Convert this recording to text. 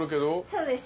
そうです。